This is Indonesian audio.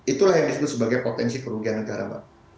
itulah yang disebut sebagai potensi kerugian negara pak